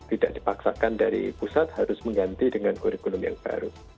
tidak dipaksakan dari pusat harus mengganti dengan kurikulum yang baru